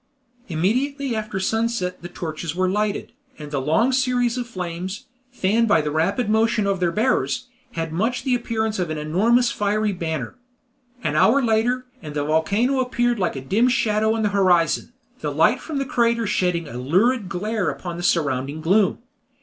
Immediately after sunset the torches were lighted, and the long series of flames, fanned by the rapid motion of their bearers, had much the appearance of an enormous fiery banner. An hour later, and the volcano appeared like a dim shadow on the horizon, the light from the crater shedding a lurid glare upon the surrounding gloom.